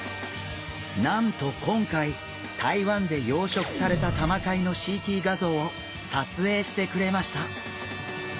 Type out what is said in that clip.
なんと今回台湾で養殖されたタマカイのＣＴ画像を撮影してくれました。